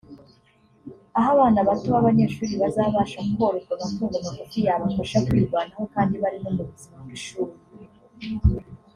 aho abana bato b’abanyeshuri bazabasha korozwa amatungo magufi yabafasha kwirwanaho kandi bari no mu buzima bw’ishuri